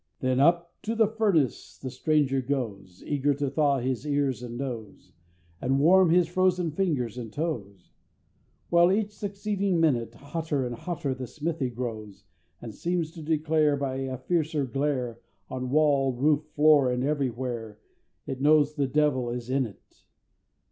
Then up to the Furnace the Stranger goes, Eager to thaw his ears and nose, And warm his frozen fingers and toes While each succeeding minute, Hotter and hotter the Smithy grows, And seems to declare, By a fiercer glare, On wall, roof, floor, and everywhere, It knows the Devil is in it!